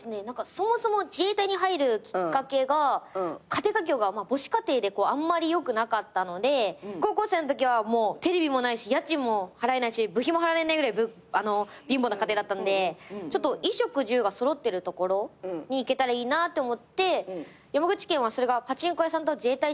そもそも自衛隊に入るきっかけが家庭環境が母子家庭であんまり良くなかったので高校生のときはテレビもないし家賃も払えないし部費も払えないぐらい貧乏な家庭だったんで衣食住が揃ってるところに行けたらいいなって思って山口県はそれがパチンコ屋さんと自衛隊しかなかったんですね。